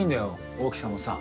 大きさもさ。